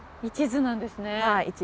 一途なんですね。